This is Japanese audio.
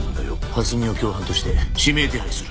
蓮見を共犯として指名手配する。